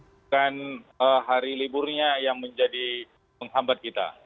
bukan hari liburnya yang menjadi penghambat kita